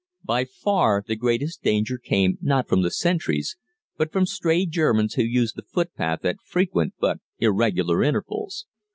By far the greatest danger came, not from the sentries, but from stray Germans who used the footpath at frequent but irregular intervals.